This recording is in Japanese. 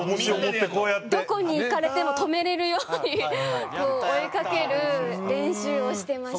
どこに行かれても止められるように追いかける練習をしてました。